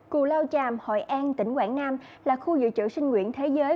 cụ lao chàm hội an tỉnh quảng nam là khu dự trữ sinh nguyện thế giới